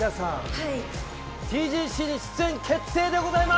ＴＧＣに出演決定でございます！